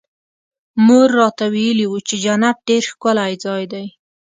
مور راته ويلي وو چې جنت ډېر ښکلى ځاى دى.